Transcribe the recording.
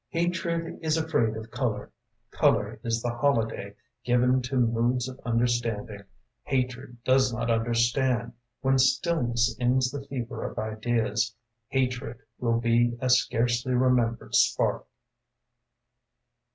Hatred is afraid of color. Color is the holiday Given to moods of understanding: Hatred does not understand. When stillness ends the fever of ideas Hatred will be a scarcely remembered spark.